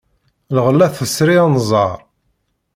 Lɣella tesri anẓar.